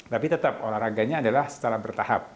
tapi tetap olahraganya adalah secara bertahap